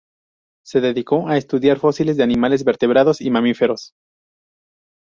Se dedicó a estudiar fósiles de animales vertebrados y mamíferos.